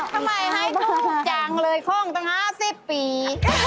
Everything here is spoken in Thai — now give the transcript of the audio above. ทำไมให้ถูกจังเลยโค้งตั้ง๕๐ปี